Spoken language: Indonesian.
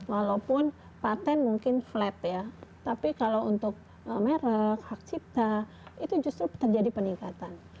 walaupun patent mungkin flat ya tapi kalau untuk merek hak cipta itu justru terjadi peningkatan